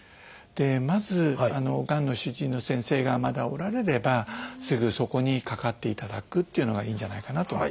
まずがんの主治医の先生がまだおられればすぐそこにかかっていただくっていうのがいいんじゃないかなと。